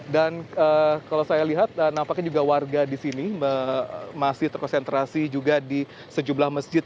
dan kalau saya lihat nampaknya juga warga di sini masih terkonsentrasi juga di sejumlah masjid